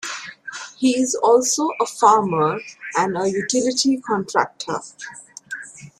He is also a farmer and a utility contractor.